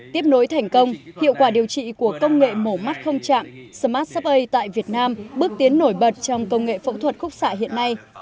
tiếp nối thành công hiệu quả điều trị của công nghệ mổ mắt không chạm smart suppe tại việt nam bước tiến nổi bật trong công nghệ phẫu thuật khúc xạ hiện nay